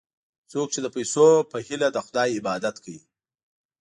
څوک چې د پیسو په هیله د خدای عبادت کوي.